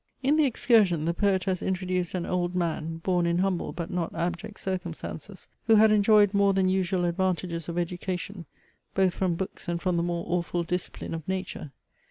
In THE EXCURSION the poet has introduced an old man, born in humble but not abject circumstances, who had enjoyed more than usual advantages of education, both from books and from the more awful discipline of nature.